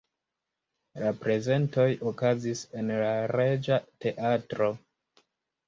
La prezentoj okazis en la Reĝa teatro.